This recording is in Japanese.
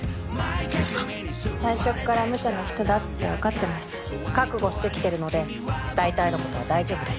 皆さん最初っからむちゃな人だって分かってましたし覚悟してきてるので大体のことは大丈夫です